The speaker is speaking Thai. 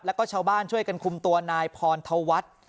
แล้วก็ชาวบ้านช่วยกันคุมตัวนายพรธวัฒน์